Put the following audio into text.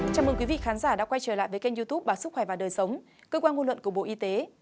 chào mừng quý vị khán giả đã quay trở lại với kênh youtube báo sức khỏe và đời sống cơ quan ngôn luận của bộ y tế